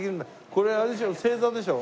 これあれですよね正座でしょ？